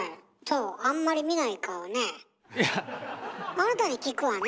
あなたに聞くわね。